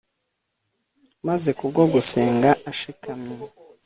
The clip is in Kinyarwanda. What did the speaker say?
maze kubwo gusenga ashikamye